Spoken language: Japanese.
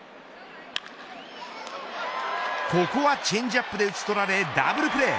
ここはチェンジアップで打ち取られ、ダブルプレー。